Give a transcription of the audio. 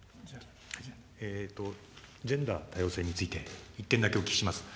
ジェンダー、多様性について、１点だけお聞きします。